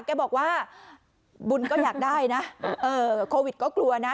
แกบอกว่าบุญก็อยากได้นะเออโควิดก็กลัวนะ